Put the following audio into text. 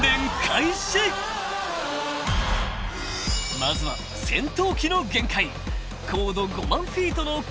［まずは戦闘機の限界］